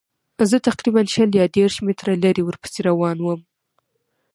زه تقریباً شل یا دېرش متره لرې ورپسې روان وم.